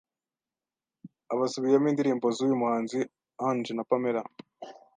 abasubiyemo indirimbo z’uyu muhanzi Ange na Pamela.